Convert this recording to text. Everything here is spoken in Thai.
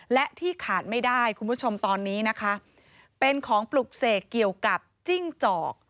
และที่ขาดไม่ได้คุณผู้ชมตอนนี้นะคะเป็นของปลุกเสกเกี่ยวกับจิ้งจอก